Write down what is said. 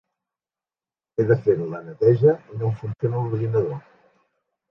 He de fer la neteja i no em funciona l'ordinador.